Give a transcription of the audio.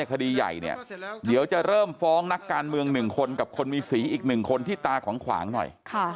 คดีใหญ่เดี๋ยวจะเริ่มฟ้องนักการเมืองหนึ่งคนกับคนมีสีอีกหนึ่งคนที่ตาขวางหน่อย